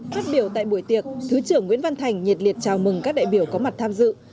phát biểu tại buổi tiệc thứ trưởng nguyễn văn thành nhiệt liệt chào mừng các đại biểu có mặt tham dự